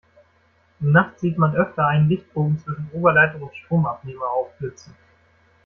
Nachts sieht man öfter einen Lichtbogen zwischen Oberleitung und Stromabnehmer aufblitzen.